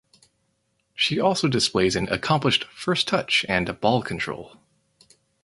She also displays an accomplished first touch and ball control.